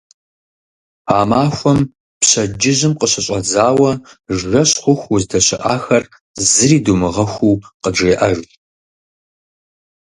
А махуэм пщэдджыжьым къыщыщӏэдзауэ жэщ хъуху уздэщыӏахэр, зыри думыгъэхуу, къыджеӏэж.